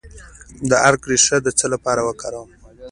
د ادرک ریښه د څه لپاره وکاروم؟